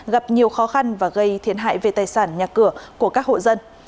gặp nhiều khó khăn và gây thiệt hại về tài sản nhà cửa của các hộ dân